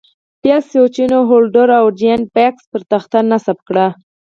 بیا سویچونه، هولډر او جاینټ بکس پر تخته نصب کړئ.